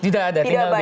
tidak ada tinggal di